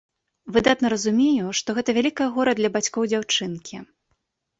Выдатна разумею, што гэта вялікае гора для бацькоў дзяўчынкі.